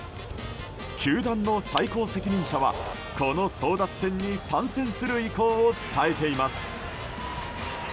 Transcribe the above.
球団の最高責任者はこの争奪戦に参戦する意向を伝えています。